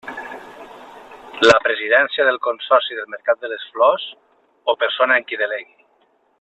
La Presidència del Consorci del Mercat de les Flors, o persona en qui delegui.